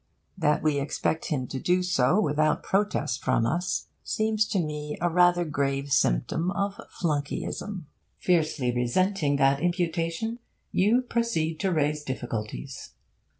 That we expect him to do so without protest from us, seems to me a rather grave symptom of flunkeyism. Fiercely resenting that imputation, you proceed to raise difficulties.